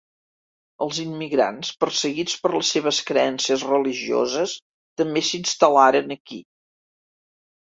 Els immigrants perseguits per les seves creences religioses també s'instal·laren aquí.